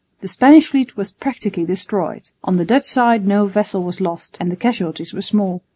The Spanish fleet was practically destroyed. On the Dutch side no vessel was lost and the casualties were small.